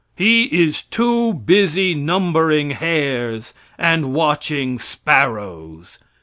He is too busy numbering hairs and watching sparrows.